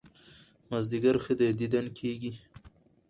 مازيګر ښه دى ديدن کېږي